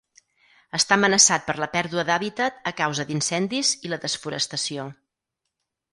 Està amenaçat per la pèrdua d'hàbitat a causa d'incendis i la desforestació.